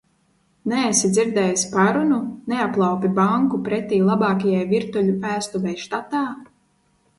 Neesi dzirdējis parunu: neaplaupi banku pretī labākajai virtuļu ēstuvei štatā?